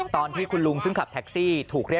ตอนที่คุณลุงซึ่งขับแท็กซี่